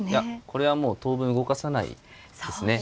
これはもう当分動かさないですね。